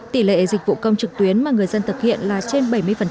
tỷ lệ dịch vụ công trực tuyến mà người dân thực hiện là trên bảy mươi